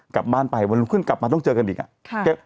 กลับบ้านไปวันรุ่งขึ้นกลับมาต้องเจอกันอีกอ่ะ